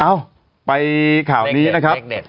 เอ้าไปข่าวนี้นะครับ